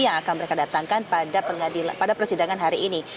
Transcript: yang akan mereka datangkan pada persidangan hari ini